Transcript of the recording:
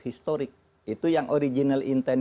historik itu yang original intent